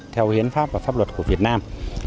theo hiến pháp và pháp luật của việt nam